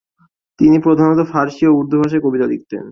তিনি প্রধানত ফার্সি ও উর্দু ভাষায় কবিতা লিখতেন।